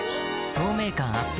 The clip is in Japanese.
透明感アップ